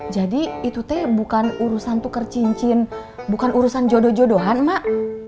jadi itu teh bukan urusan tukar cincin bukan urusan jodoh jodohan mak